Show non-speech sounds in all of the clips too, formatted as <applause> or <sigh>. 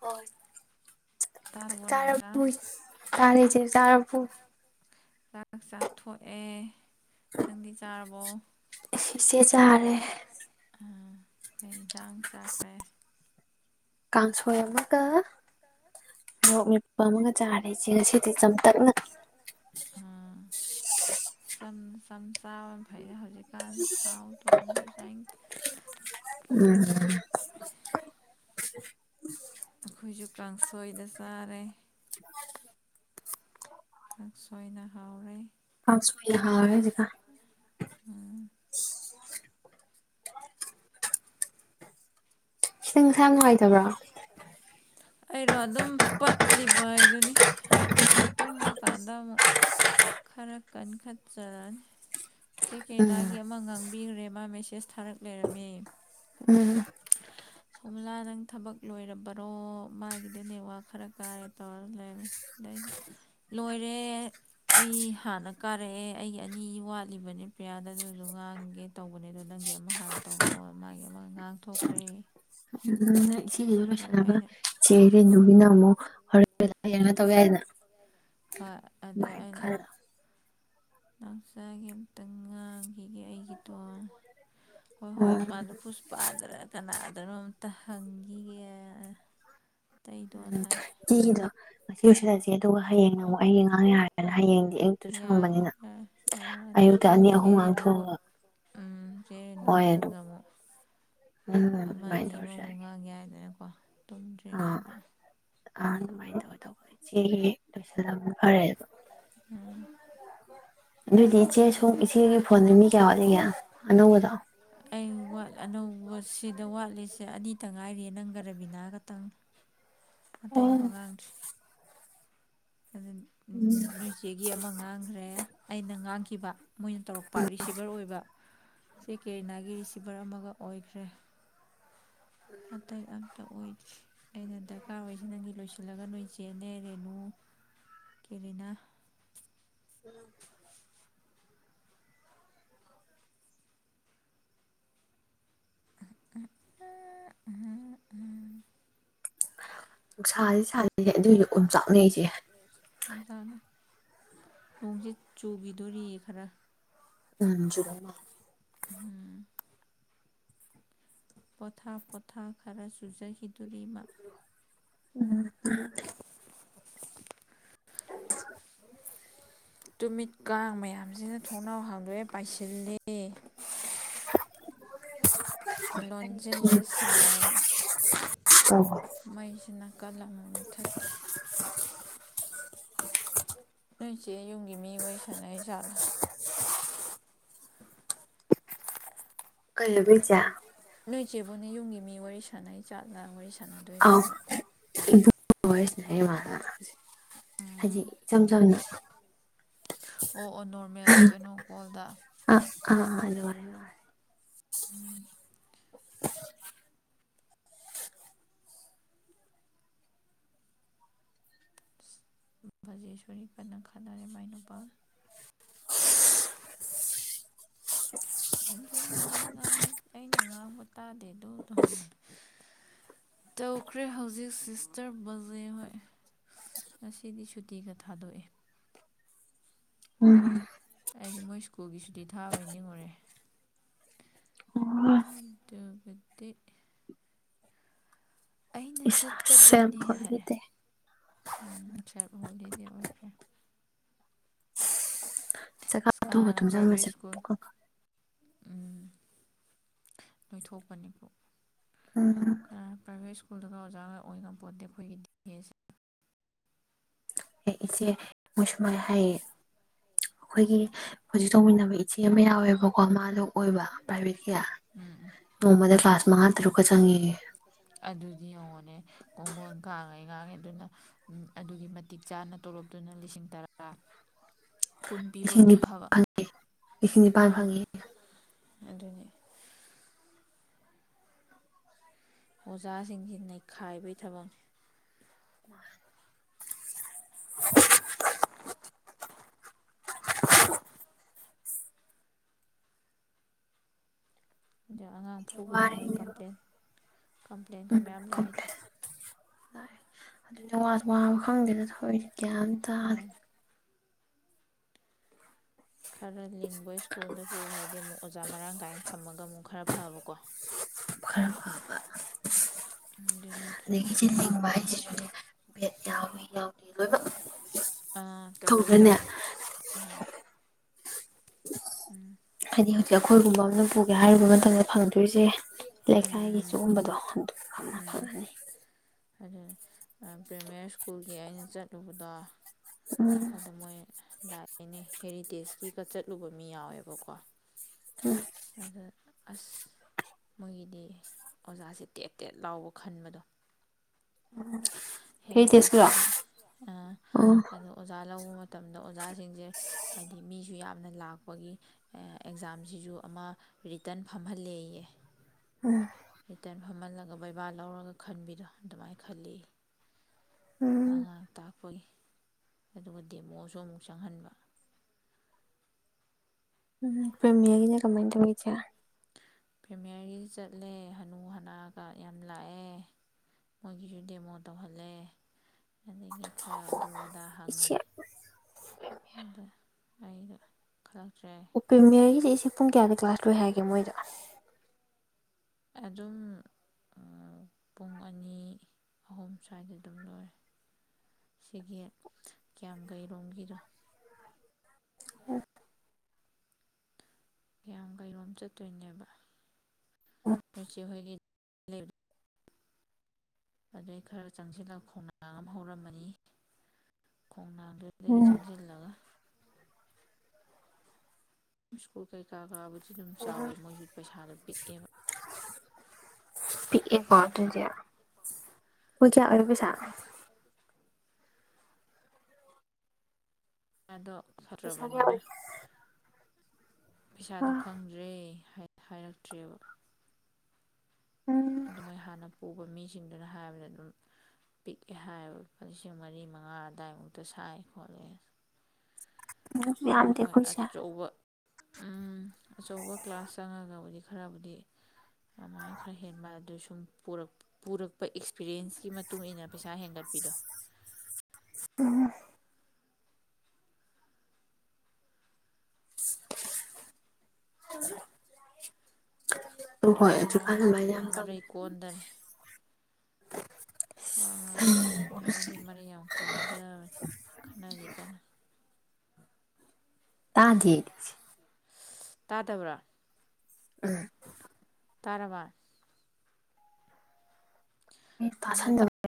ꯍ ꯇꯥꯔꯕꯣ ꯅꯥꯎꯆꯥ ꯆꯔꯄꯕꯨ ꯆꯥꯅꯤ ꯆꯔꯄꯕꯨ ꯆꯥꯛ ꯆꯥꯊꯣꯛꯑꯦ ꯅꯪꯗꯤ ꯆꯥꯔꯕ ꯑꯃ ꯁꯤꯁꯦ ꯆꯥꯔꯦ ꯑꯥ ꯀꯩ ꯌꯦꯟꯁꯥꯡ ꯆꯥꯈ꯭ꯔꯦ ꯀꯥꯡꯁꯣꯏ ꯑꯃꯒ ꯃꯣꯔꯣꯛ ꯃꯅꯤꯄ ꯑꯃꯒ ꯆꯥꯔꯦꯁꯦ ꯉꯁꯤꯗꯤ ꯆꯝꯇꯛꯅ ꯑ ꯇꯥꯎꯟ ꯑꯩꯈꯣꯏꯅ ꯍꯧꯖꯤꯛꯀꯥꯟ ꯊꯥꯎ ꯇꯨꯔꯁꯨ ꯆꯥꯏ ꯎꯝ <unintelligible> ꯑꯩꯈꯣꯏꯁꯨ ꯀꯥꯡꯁꯣꯏꯗ ꯆꯥꯔꯦ <unintelligible> ꯀꯥꯡ ꯁꯣꯏꯅ ꯍꯥꯎꯔꯦ ꯄꯥꯁꯍꯦ ꯑꯗꯨꯒꯀꯥ ꯎꯝ <unintelligible> ꯍ <unintelligible> ꯑꯩꯔꯣ ꯑꯗꯨꯝ ꯄꯠꯂꯤ ꯥꯏꯗꯨꯅꯤ ꯇꯨꯝꯃ ꯀꯥꯟꯗ ꯑꯃ ꯈꯔ ꯀꯟꯈꯠꯆꯔꯅꯤ ꯆꯦ ꯀꯩꯅꯥꯒꯤ ꯎꯝ ꯑꯃꯉꯥꯡ ꯕꯤ ꯔꯦꯃꯥ ꯃꯦꯁꯦꯁ ꯊꯥꯔꯛ ꯂꯩꯔꯝꯃꯤ ꯎꯝ ꯁꯣꯃꯂꯥ ꯅꯪ ꯊꯕꯛ ꯂꯣꯏꯔꯕꯔꯣ ꯃꯥꯒꯤꯗꯨ ꯅꯦꯋꯥꯛ ꯈꯔ ꯀꯥꯔꯦ ꯇꯧꯔꯒ ꯂꯩꯔꯝꯃꯦ ꯑꯗ ꯑꯩꯅ ꯂꯣꯏꯔꯦ ꯑꯩ ꯍꯥꯟꯅ ꯀꯥꯔꯛꯑꯦ ꯑꯩꯒꯤ ꯑꯅꯤ ꯋꯥꯠꯂꯤꯕꯅꯦ ꯄꯦꯌꯥꯥꯗ ꯑꯗꯨꯁꯨ ꯉꯥꯡꯒꯦ ꯇꯧꯕꯅꯦ ꯑꯗꯣ ꯅꯪꯒꯤ ꯑꯃ ꯍꯥꯟꯅ ꯇꯧꯔꯛꯑꯣ ꯃꯥꯒꯤ ꯑꯃ ꯉꯥꯡꯊꯣꯛꯈ꯭ꯔꯦ ꯑꯗꯨꯒ ꯁꯅꯕ ꯑꯩꯅ ꯁꯤ ꯅꯨꯃꯤꯅ ꯑꯃꯨ ꯍ ꯌꯦꯅ ꯇꯧꯕ ꯍꯥꯏꯗ ꯍꯣꯏ ꯑꯗ ꯑꯩꯅ ꯈꯔ ꯅꯥꯎꯆꯥꯒꯤ ꯑꯃꯝꯇꯪ ꯉꯥꯡꯈꯤꯒꯦ ꯑꯩꯒꯤꯗꯣ ꯍꯣꯏ ꯍꯣꯏ ꯎꯝ ꯃꯥꯗꯣ ꯐꯁꯄꯥꯗ꯭ꯔ ꯀꯅꯥ ꯑꯗꯨꯔ ꯑꯝꯇ ꯍꯪꯈꯤꯒꯦ ꯑꯇꯩꯗꯣꯅ ꯍꯥꯏ ꯎꯝ ꯌꯦꯗ ꯁꯦ ꯑꯗꯨꯒ ꯍꯌꯦꯡ ꯅꯃꯨꯛ ꯑꯩꯒꯤ ꯑꯉꯥꯡꯒꯦ ꯌꯔꯦ ꯍꯌꯦ ꯌꯥꯔ ꯌꯥꯔ ꯑꯥ ꯑꯗ ꯑꯌꯨꯛꯇ ꯑꯅꯤ ꯆꯦ ꯑꯍꯨꯝ ꯔꯦꯅꯨꯕ ꯉꯥꯡꯊꯣꯛꯑꯒ ꯎꯝ ꯆꯦ ꯔꯦꯅꯨꯒ ꯍꯣꯏ ꯑꯗꯨꯝ ꯅꯪꯒ ꯑꯃꯨꯛ ꯎꯝ ꯑꯃ ꯑꯗꯨꯃꯥꯏꯅ ꯑꯅꯤ ꯇꯧꯔꯁꯨ ꯌꯥꯏ ꯑꯃꯃꯨꯛ ꯉꯥꯡ ꯌꯥꯏꯗꯅꯀꯣ ꯇꯨꯝꯗ꯭ꯔꯤꯉꯩꯗ ꯑ ꯑꯗꯨꯃꯥꯏꯅ ꯇꯧ ꯇꯧꯕ ꯏꯆꯦꯒꯤ ꯂꯣꯏꯁꯤꯜꯂꯕ ꯐꯔꯦ ꯎꯝ ꯑꯗꯨ ꯑꯅꯧꯕꯗꯣ ꯑꯩ ꯋꯥ ꯅꯅꯧ ꯁꯤꯗ ꯋꯥꯠꯂꯤꯁꯦ ꯑꯅꯤꯇ ꯉꯥꯏꯔꯤꯌꯦ ꯅꯪꯒ ꯔꯕꯤꯅꯥ ꯈꯇꯪ ꯑꯇꯩ ꯑꯣ ꯉꯡꯗꯔꯤ ꯑꯗꯨ ꯅꯣꯏꯆꯦꯒꯤ ꯑꯃ ꯉꯥꯡꯈ꯭ꯔꯦ ꯑꯩꯅ ꯉꯥꯡꯈꯤꯕ ꯃꯣꯏꯅ ꯇꯧꯔꯛꯄ ꯔꯤꯁꯤꯕꯔ ꯑꯣꯏꯕ ꯁꯤ ꯀꯦꯔꯤꯅꯥꯒꯤ ꯔꯤꯁꯤꯚꯔ ꯑꯃꯒ ꯑꯣꯏꯈ꯭ꯔꯦ ꯑꯇꯩ ꯑꯝꯇ ꯑꯣꯏꯗ꯭ꯦ ꯑꯩꯅ ꯗꯔꯀꯥꯔ ꯑꯣꯏꯁꯦ ꯅꯪꯒꯤ ꯂꯣꯏꯁꯤꯜꯂꯒ ꯅꯣꯏ ꯆꯦꯅꯦ ꯔꯦꯅꯨ ꯀꯦꯔꯤꯅꯥ ꯎꯝ ꯅꯨꯡꯁꯥꯁꯦ ꯁꯥꯅꯅꯦ ꯑꯗꯨꯏꯁꯨ ꯑꯣꯝ ꯆꯥꯛꯅꯩꯁꯦ ꯆꯥꯅ ꯅꯣꯡꯁꯦ ꯆꯨꯈꯤꯗꯣꯔꯤꯌꯦ ꯈꯔ ꯎꯝ ꯎꯝ ꯄꯣꯊꯥ ꯄꯣꯊꯥ ꯈꯔ ꯆꯨꯖꯈꯤꯗꯣꯔꯤ꫰ꯃꯥꯥ ꯎꯝ ꯇꯨꯃꯤꯠ ꯀꯥꯡꯥꯡ ꯃꯌꯥꯝ ꯌꯥꯝꯖꯤꯅ ꯊꯣꯡꯅꯥꯎ ꯍꯥꯡꯣꯛꯦ ꯄꯥꯏꯁꯤꯂꯤ ꯂꯣꯟꯁꯤꯜꯂꯦ ꯁꯥꯏꯅ ꯇꯧꯕ ꯃꯩꯁꯤ ꯅꯥꯀꯜ ꯑꯃ ꯃꯨꯊꯠꯈꯤ ꯅꯣꯏꯆꯦ ꯌꯨꯝꯒꯤ ꯃꯤ ꯑꯣꯏ ꯁꯥꯟꯅꯩ ꯆꯥꯠꯂꯥ ꯀꯜꯨꯕꯤ ꯆ ꯅꯣꯏ ꯆꯦꯕꯨꯅꯦ ꯌꯨꯝꯒꯤ ꯃꯤ ꯋꯥꯔꯤ ꯁꯥꯟꯅꯩ ꯆꯥꯠ ꯂꯥꯡ ꯋꯥꯔꯤꯩ ꯍꯣꯏꯁ ꯃꯥ ꯍꯥꯏꯖꯤ ꯎꯝ ꯏꯆꯝ ꯆꯝꯅ ꯑꯣ ꯑꯣ ꯅꯣꯔꯃꯦꯜ ꯀꯩꯅꯣꯀꯣꯜꯗ ꯑꯥꯗꯦꯦ ꯎꯝ <inaudible> ꯕꯖꯦꯁꯣꯔꯤ ꯀꯟꯅ ꯈꯟꯅꯔꯦ ꯃꯥꯏ ꯅꯨꯄꯥ ꯍꯟꯖꯤꯟ ꯍꯟꯖꯤꯟ ꯉꯥꯡꯉꯤ ꯑꯩꯅ ꯉꯥꯡꯕ ꯇꯥꯗꯦ ꯑꯗꯨ ꯇꯧꯈ꯭ꯔꯦ ꯍꯧꯖꯤꯛ ꯁꯤꯁꯇꯔ ꯕꯔꯗꯦ ꯍꯣꯏ ꯉꯁꯤꯗꯤ ꯁꯨꯇꯤꯒ ꯊꯥꯗꯣꯛꯑꯦ ꯑꯣ ꯍꯥꯏꯗꯤ ꯃꯣꯏ ꯁ꯭ꯀꯨꯜꯒꯤ ꯁꯨꯇꯤ ꯊꯥꯕꯩ ꯅꯤꯡꯉꯨꯔꯦ ꯑꯗꯨꯗꯕꯗꯤ ꯑꯩꯅ ꯆꯠ ꯁꯝ ꯐꯒꯤꯗ ꯎꯝ ꯁ ꯍꯣꯂꯤꯗꯦ ꯑꯣꯏꯈ꯭ꯔꯦ ꯑꯁ ꯆꯖꯒꯥꯥꯒ ꯇꯨꯝꯖ ꯃꯁꯦ ꯂꯣꯏꯊꯣꯛꯄꯅꯤꯕꯨ ꯎꯝ ꯈꯔ ꯄ꯭ꯔꯥꯏꯚꯦꯠ ꯁ꯭ꯀꯨꯜꯗꯒ ꯑꯣꯖꯥꯒ ꯑꯣꯏꯒꯄꯣꯠꯇꯦ ꯑꯩꯈꯣꯏꯒꯤ ꯗꯤꯁ ꯑꯦ ꯏꯆꯦ ꯃꯨꯁꯃꯥꯏ ꯍꯥꯏꯩ ꯑꯩꯈꯣꯏꯒꯤ ꯎꯝ ꯍꯧꯖꯤꯛ ꯆꯧꯃꯤꯟꯅꯕ ꯏꯆꯦ ꯑꯃ ꯌꯥꯎꯋꯦꯕꯀꯣ ꯃꯥꯗꯣ ꯑꯣꯏꯕ ꯎꯝ ꯎꯝ ꯄ꯭ꯔꯥꯏꯚꯦꯠ ꯀꯌꯥ ꯎꯝ ꯎꯝ ꯅꯣꯡꯃꯗ ꯀ꯭ꯂꯥꯁ ꯃꯉꯥ ꯇꯔꯨꯛ ꯃꯖꯥꯡꯒꯤ ꯑꯗꯨꯗꯤ ꯌꯦꯡꯉꯣꯅꯦ ꯀꯣꯡꯒꯣꯟ ꯀꯥꯡꯥꯡꯉꯦ ꯉꯥꯡꯉꯤ ꯑꯗꯨꯅ ꯑꯗꯨꯒꯤ ꯃꯇꯤꯛ ꯆꯥꯅ ꯇꯣꯂꯣꯞꯇꯨꯅ ꯂꯤꯁꯤꯡ ꯇꯔꯥ ꯀꯨꯟ ꯄꯤꯕ ꯏꯁꯤꯡ ꯑꯣꯏꯗꯤ ꯅꯤꯄꯥꯜ ꯐꯕ ꯐꯪꯉꯤ ꯏꯁꯤꯡ ꯅꯤꯄꯥꯥꯟ ꯑꯥ ꯐꯪꯉꯤ ꯑꯗꯨꯅꯤ ꯑꯣꯖꯥꯁꯤꯡꯁꯤ ꯅꯩꯈꯥꯏꯕꯒꯤ ꯊꯕꯛꯅꯤ ꯑꯗ ꯑꯉꯥꯡ ꯐꯨꯕꯒꯤ ꯃꯣꯏ ꯋꯥꯔꯦꯅꯦꯕ ꯀꯝꯄ꯭ꯂꯦꯟ ꯀꯝꯄ꯭ꯂꯦꯟ ꯀ ꯃꯌꯥꯝ ꯂꯥꯛꯑ ꯑꯗꯨꯕ ꯈꯪꯗꯦꯅ ꯊ ꯀꯝ ꯇ ꯃꯥ ꯈꯔ ꯂꯤꯡꯕ ꯁ꯭ꯀꯨꯜꯗ ꯄꯨꯈ꯭ꯔꯗꯤ ꯑꯃꯨꯛ ꯑꯣꯖꯥ ꯃꯔꯥꯡ ꯀꯥꯏꯅ ꯊꯝꯃꯒ ꯑꯃꯨꯛ ꯈꯔ ꯐꯕꯀꯣ ꯈꯔ ꯐꯕ ꯑꯗꯨ ꯅꯠꯇ꯭ꯔꯗꯤ ꯁꯤ ꯎꯝ ꯂꯕꯥ ꯍꯥꯏꯁꯤ ꯕꯦꯠ ꯌꯥꯎꯋꯤ ꯌꯥꯎꯗꯦ ꯂꯣꯏꯕ ꯑꯥ ꯇꯧꯋꯦ ꯇꯧꯋꯦ ꯍꯥꯏꯗꯤ ꯍꯧꯖꯤꯛ ꯑꯩꯈꯣꯏꯒꯨꯝꯕ ꯑꯃꯝꯅ ꯄꯨꯒꯦ ꯍꯥꯏꯔꯨꯕ ꯃꯇꯝꯗ ꯐꯪꯗꯣꯏꯔꯤꯁꯦ ꯂꯩꯀꯥꯏꯒꯤ ꯎꯝ ꯁꯤꯨꯒꯨꯝꯕꯗꯣ ꯑꯗꯨꯅ ꯐꯪꯉꯅꯤ ꯑꯗꯨ ꯄ꯭ꯔꯦꯃꯔꯤ ꯁ꯭ꯀꯨꯜꯒꯤ ꯑꯩꯅ ꯆꯠꯂꯨꯕꯗ ꯎꯝ ꯑꯗ ꯃꯣꯏ ꯂꯥꯛꯑꯦꯅꯦ ꯍꯦꯔꯤꯇꯦꯖꯀꯤꯒ ꯆꯠꯂꯨꯕ ꯃꯤ ꯌꯥꯎꯋꯦꯕꯀꯣ ꯑꯗ ꯑꯁ ꯃꯣꯏꯒꯤꯗꯤ ꯑꯣꯖꯥꯁꯦ ꯇꯦꯠ ꯇꯦꯠ ꯂꯥꯎꯕ ꯈꯟꯕꯗꯣ ꯍꯦꯔꯤꯇꯦꯖꯀꯤꯔꯣ ꯍꯦꯔꯤꯇꯦꯖꯀꯤꯗꯤ ꯑ ꯎꯝ ꯑꯗꯨ ꯑꯣꯖꯥ ꯂꯧꯕ ꯃꯇꯝꯗ ꯑꯣꯖꯥꯁꯤꯡꯁꯦ ꯍꯥꯏꯗꯤ ꯃꯤꯁꯨ ꯌꯥꯝꯅ ꯂꯥꯛꯄꯒꯤ ꯑꯦꯛꯖꯥꯝꯁꯤꯁꯨ ꯑꯃ ꯔꯤꯇꯟ ꯐꯝꯍꯜꯂꯦꯌꯦ ꯎꯝ ꯔꯤꯇꯟ ꯐꯝꯍꯜꯂꯒ ꯕꯩꯕꯥ ꯂꯧꯔꯒ ꯈꯟꯕꯤꯗꯣ ꯑꯗꯨꯃꯥꯏꯅ ꯈꯜꯂꯤ ꯑ ꯎꯝ ꯇꯥꯛ ꯍꯣꯏ ꯑꯗꯨꯒ ꯗꯦꯃꯣꯁꯨ ꯑꯃꯨꯛ ꯆꯪꯍꯟꯕ ꯎꯝ ꯄ꯭ꯔꯦꯃꯤꯌꯥꯒꯤꯅ ꯀꯃꯥꯏ ꯇꯧꯋꯤ ꯏꯆꯦ ꯐꯦꯃꯤꯌꯥꯔꯒꯤꯁꯨ ꯆꯠꯂꯦ ꯍꯅꯨ ꯍꯅꯥꯒ ꯌꯥꯝ ꯂꯥꯛꯑꯦ ꯃꯣꯏꯒꯤꯁꯨ ꯗꯦꯃꯣ ꯇꯧꯍꯜꯂꯦ ꯑꯗꯒꯤ ꯈꯔ ꯑꯗꯨ ꯑꯗꯥ ꯍꯪꯉꯦ ꯏꯆꯦ ꯑꯗꯨꯗ ꯑꯩꯩꯅ ꯈꯔ ꯆꯠ ꯑꯣ ꯄꯦꯃꯤꯌꯥꯔꯒꯤꯁꯤ ꯄꯨꯡ ꯀꯌꯥꯗ ꯀ꯭ꯂꯥꯁ ꯂꯣꯏ ꯍꯥꯏꯒꯦ ꯃꯣꯏꯗ ꯑꯗꯨꯝ ꯄꯨꯡ ꯑꯅꯤ ꯑꯍꯨꯝ ꯁ꯭ꯋꯥꯏꯗ ꯑꯗꯨꯝ ꯂꯣꯏꯔꯦ ꯁꯤꯒꯤ ꯀꯌꯥꯝ ꯀꯩꯔꯣꯝꯒꯤꯗꯣ ꯎꯝ ꯀꯌꯥꯝꯒꯩꯔꯣꯝ ꯆꯠꯇꯣꯏꯅꯦꯕ ꯅꯣꯏꯆꯦ ꯍꯣꯏꯒꯤ ꯂꯩꯂꯦꯞ ꯑꯗꯩ ꯈꯔ ꯆꯪꯁꯤꯜꯂꯒ ꯈꯣꯡꯅꯥꯡ ꯑꯃ ꯍꯧꯔꯝꯃꯅꯤ ꯈꯣꯡꯅꯥꯡꯗꯨꯗꯒꯤ ꯎꯝ ꯆꯪꯁꯤꯜꯂꯒ ꯃꯨꯁꯀꯣ ꯀꯩ ꯀꯥꯒꯕ ꯁꯤ ꯑꯗꯨꯝ ꯆꯥꯎꯋꯦ ꯃꯣꯏꯁꯨ ꯄꯩꯁꯥꯗꯣ ꯄꯤꯛꯑꯦꯕ ꯄꯤꯛ ꯑꯦꯀꯣ ꯑꯗꯨꯗꯤ ꯍꯣꯏ ꯀꯌꯥ ꯑꯣꯏꯅꯣ ꯄꯩꯁꯥ ꯄꯤꯛꯑꯦ ꯑꯗꯣ ꯄꯩꯁꯥ ꯀꯌꯥ ꯑꯣꯏꯒꯦ ꯑ ꯄꯩꯁꯥꯗꯣ ꯈꯪꯗ꯭ꯔꯦ ꯍꯥꯏꯔꯛꯇ꯭ꯔꯦꯕ ꯎꯝ ꯑꯗꯨ ꯃꯣꯏ ꯍꯥꯟꯅ ꯄꯨꯕ ꯃꯤꯁꯤꯡꯗꯨꯅ ꯍꯥꯏꯕꯗ ꯑꯗꯨꯝ ꯄꯤꯛꯑꯦ ꯍꯥꯏꯌꯦꯕ ꯂꯨꯄꯥ ꯂꯤꯁꯤꯡ ꯃꯔꯤ ꯃꯉꯥ ꯑꯗꯨꯏꯃꯨꯛꯇ ꯁꯥꯏ ꯈꯣꯠꯂꯦ ꯑꯗꯨ ꯑ ꯍꯣꯏ ꯌꯥꯝꯇꯦꯀꯣ ꯏꯆꯦ ꯑꯆꯧꯕ ꯎꯝ ꯑꯆꯧꯕ ꯀ꯭ꯂꯥꯁ ꯆꯪꯉꯒ ꯍꯥꯏꯗꯤ ꯈꯔꯕꯨꯗꯤ ꯑꯗꯨꯃꯥꯏꯅ ꯈꯔ ꯍꯦꯟꯕ ꯑꯗꯨ ꯁꯨꯝ ꯄꯨꯔꯛꯄ ꯑꯦꯛꯁꯄꯤꯔꯌꯦꯟꯁ ꯒꯤ ꯃꯇꯨꯡ ꯃꯇꯨꯡꯏꯟꯅ ꯄꯩꯁꯥ ꯍꯦꯟꯒꯠꯄꯤꯗꯣ <inaudible> ꯑ ꯍꯣꯏ ꯀꯩꯒꯤꯅꯣ ꯍꯧꯖꯤꯛꯀꯥꯟ ꯑꯗꯨꯃꯥꯏ ꯉꯁꯤꯗꯤ ꯌꯥꯝ ꯃꯔꯩ ꯇꯧꯅꯩ꯫ ꯀꯣꯟꯗꯔꯦ ꯋꯥ ꯉꯥꯡꯕꯗ ꯅꯍꯥꯟꯒꯩꯗꯤ ꯃꯔꯩ ꯌꯥꯝ ꯀꯣꯟꯖꯕꯅꯤ ꯈꯟꯅꯔꯤ ꯀꯟꯅ꯫ ꯇꯥꯗꯤꯌꯦ꯫ ꯇꯥꯗꯕ꯭ꯔꯥ꯫ <unintelligible> ꯇꯔꯕꯥ꯫ ꯑꯩꯅ ꯇꯥꯁꯟ <unintelligible>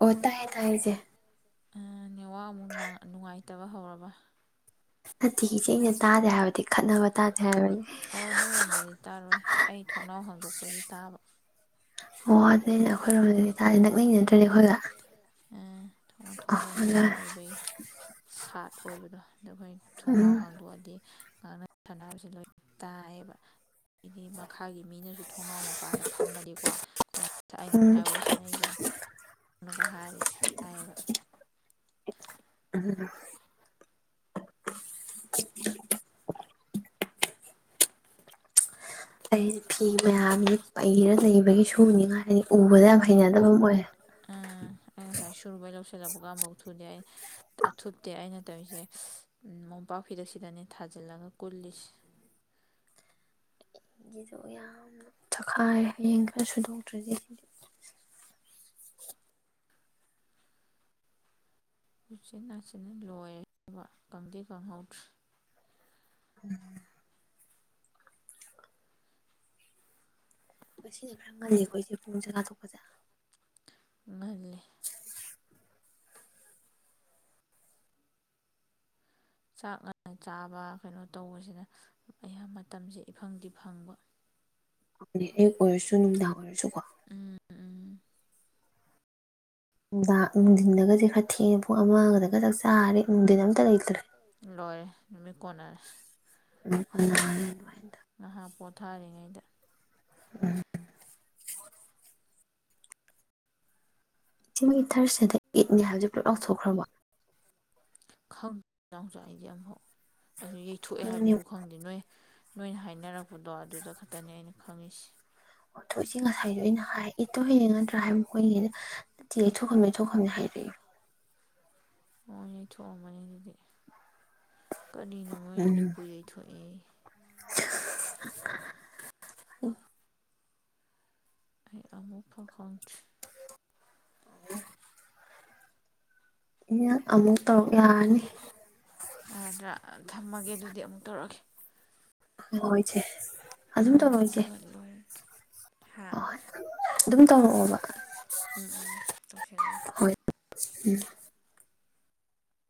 ꯑꯣ ꯇꯥꯏꯌꯦ ꯇꯏꯌꯦ ꯏꯆꯦ꯫ ꯅꯦꯋꯥꯛ ꯑꯃꯨꯛ ꯅ ꯡꯅꯨꯡꯉꯥꯏꯇꯕ ꯍꯧꯔꯕ꯫ ꯅꯠꯇꯤ ꯏꯆꯦ ꯑꯩꯅ ꯇꯥꯗꯦ ꯍꯥꯏꯕꯗꯤ ꯈꯠꯅꯕ ꯇꯥꯗꯦ꯫ ꯍꯥꯏꯕꯅꯤ ꯑꯣ ꯅꯣꯏꯔꯣꯝꯗꯗꯤ ꯇꯥꯔꯣꯏ ꯑꯩ ꯊꯣꯡꯅꯥꯎ ꯍꯥꯡꯗꯣꯛꯄꯒꯤ꯫ ꯇꯥꯕ꯫ ꯑꯣ ꯑꯗꯨꯅꯦꯅꯦ ꯑꯩꯈꯣꯏꯔꯣꯝꯗꯗꯤ ꯇꯗꯤ ꯅꯛ ꯂꯩꯅꯗ꯭ꯔꫭ꯫ ꯑ ꯊꯣꯡ ꯂꯣꯟꯁꯤꯟꯕ ꯑꯣ ꯑꯣꯏꯕꯒꯤ ꯁꯥꯠ ꯑꯣꯏꯕꯗꯣ꯫ ꯑꯗ ꯑꯈꯣꯏ ꯎꯝ ꯊꯣꯡꯅꯥꯎ ꯍꯥꯡꯗꯣꯛꯑꯗꯤ꯫ ꯉꯥꯛꯅ ꯁꯥꯛꯅꯕꯁꯦ ꯂꯣꯏ ꯇꯥꯏꯌꯦꯕ꯫ ꯑꯗꯤ ꯃꯈꯥꯒꯤ ꯃꯤꯅꯁꯨ ꯊꯣꯡꯅꯥꯎ ꯃꯄꯥꯗ ꯐꯝꯃꯗꯤꯀꯣ꯫ ꯑꯩꯅ ꯎꯝ ꯃꯥꯏ ꯋꯥꯔꯤ ꯁꯥꯟꯅꯩꯁꯦ꯫ <unintelligible> ꯍꯥꯏꯔꯤ ꯍꯥꯏꯕ꯫ <unintelligible> <unintelligible> ꯑꯩ ꯐꯤ ꯃꯌꯥꯝ ꯄꯩꯔ ꯂꯩꯕꯒꯤ ꯁꯨꯅꯤꯉꯥꯏ꯫ ꯑꯁ ꯑ ꯑꯩ ꯉꯁꯥꯏ ꯁꯨꯔꯨꯕꯩ ꯂꯧ꯫ <unintelligible> ꯊꯨꯗꯦ ꯊꯨꯞꯇꯦ ꯑꯩꯅ ꯇꯩꯁꯦ ꯎꯝ ꯃꯣꯝꯄꯥꯛ ꯐꯤꯗꯛꯁꯤꯗꯅꯦ ꯊꯥꯖꯤꯜꯂꯒ ꯀꯨꯜꯂꯤꯁꯦ꯫ ꯅꯪꯒꯤꯗꯣ ꯌꯥꯝꯅ ꯊꯈꯥꯏ ꯍꯌꯦꯡ ꯈꯔ ꯁꯨꯗꯣꯛꯇ꯭ꯔꯗꯤ ꯁꯤꯗꯤ꯫ ꯎꯆꯤꯟ ꯅꯥꯆꯤꯟꯅ ꯂꯣꯏꯔꯦꯕ ꯀꯪꯗꯤ ꯀꯪꯍꯧꯗ꯭ꯔꯦ꯫ <unintelligible> ꯉꯁꯤꯅ ꯈꯔ ꯉꯜꯂꯤꯀꫭ ꯏꯆꯦ ꯄꯨꯡ ꯆꯥꯛꯆꯥꯇꫭꯛꯄꯁꯦ꯫ ꯉꯜꯂꯦ ꯆꯥꯛ ꯉꯟꯅ ꯆꯥꯕ ꯀꯩꯅꯣ ꯇꯧꯕꯁꯤꯅ ꯑꯌꯥꯝꯕ ꯃꯇꯝꯁꯦ ꯏꯐꯪꯗꯤ ꯐꯪꯕ꯫ ꯑꯌꯨꯛ ꯑꯣꯏꯔꯁꯨ ꯅꯨꯡꯗꯥꯡ ꯑꯣꯏꯔꯁꯨ꯫ <unintelligible> ꯎꯝ ꯎꯝ ꯅꯨꯡꯗꯥꯡ ꯅꯨꯡꯗꯤꯟꯗꯒꯁꯦ ꯈꯔ ꯊꯦꯡꯅ ꯄꯨꯡ ꯑꯃꯒꯗꯒ ꯆꯥꯛ ꯆꯥꯔꯦ ꯅꯨꯡꯊꯤꯟ ꯑꯝꯇ ꯂꯩꯇ꯭ꯔꯦ꯫ ꯂꯣꯏꯔꯦ ꯅꯨꯃꯤꯠ ꯀꫭꯟꯅꯔꯦ꯫ <unintelligible> ꯉꯥꯍꯥꯛ ꯄꯣꯊꯥꯔꯤꯉꯩꯗ꯫ ꯎꯝ꯫ ꯆꯦ ꯃꫭꯏ ꯊꯥꯔꯁꯗꯦꯗꯥ ꯏꯠ ꯅꯤ ꯍꯥꯏꯕꯁꯤ ꯄꯨꯂꯞ ꯂꯥꯎꯊꯣꯛꯈ꯭ꯔꯕꫭ꯫ ꯈꯪ <unintelligible> ꯑꯩꯗꯤ ꯑꯝꯐꯥꯎ꯫ ꯑꯁꯨ ꯌꯩꯊꯣꯛꯑꯦ ꯑꯗꯨꯅꯦ ꯍꯥꯏꯕꯁꯨ ꯈꯪꯗꯦ ꯅꯣꯏ꯫ ꯅꯣꯏꯅ ꯍꯥꯏꯅꯔꯛꯄꯗꯣ ꯑꯗꯨꯗ ꯈꯛꯇꯅꯦ ꯑꯩꯅ ꯈꯪꯉꯁꯤ ꯑꯣꯊꯣꯆꯦ ꯉꯁꯥꯏꯗꯣ ꯑꯩꯅ ꯍꯥꯏ ꯏꯇꯣ ꯍꯅꯤꯡ ꯅꯠꯇ꯭ꯔꯥ ꯍꯥꯏꯕ ꯃꯈꯣꯏꯅꯤꯩꯅꯦ ꯊꯣꯛꯣꯛꯗ ꯊꯣꯛꯅꯤ ꯍꯥꯏꯔꯛꯏ ꯑꯣ ꯌꯩꯊꯣꯑꯝꯃꯥ ꯅꯤ ꯑꯗꯨꯗꯤ ꯀꯔꯤꯅꯣ ꯃꯣꯏ ꯏꯠꯄꯨ ꯌꯩꯊꯣꯛꯑꯦ ꯎ ꯑꯩ ꯑꯃꯨꯛ ꯐꯈꯣꯡꯦ ꯎ ꯏ ꯑꯃꯨꯛ ꯇꯧꯔꯨꯛ ꯌꯥꯔꯅꯤ ꯑꯗ꯭ꯔ ꯊꯝꯃꯒꯦ ꯑꯗꯨꯗꯤ ꯑꯃꯨꯛ ꯇꯧꯔꯛꯒꯦ ꯍꯣꯏꯁꯦ ꯑꯗꯨꯝ ꯇꯧꯣꯏꯁꯦ ꯑꯗꯨꯒ ꯂꯣꯏꯔꯦ ꯍꯥ ꯇꯧꯔꯛꯑꯣꯕ ꯎꯝ ꯎꯝ ꯇꯧꯁꯤꯜꯂꯁꯦ ꯎꯝ